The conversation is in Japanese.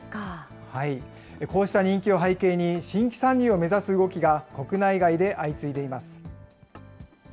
こうした人気を背景に、新規参入を目指す動きが国内外で相次いでいます。